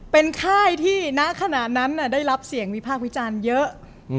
เป็นใครที่นาขณะนั้นได้รับเสียงวิภาควิจันเยอะ